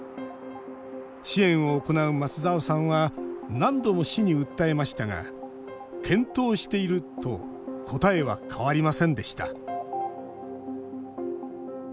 支援を行う松澤さんは何度も市に訴えましたが検討していると答えは変わりませんでした。